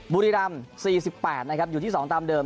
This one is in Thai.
บุรีรำ๔๘นะครับอยู่ที่๒ตามเดิม